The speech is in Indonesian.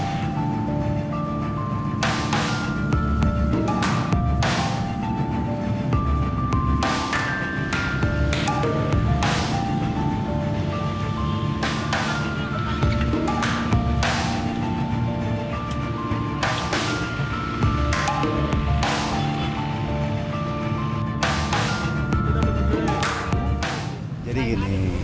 hai jadi nih